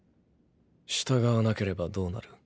従わなければどうなる？